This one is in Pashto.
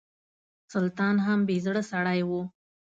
سلطان هم بې زړه سړی و.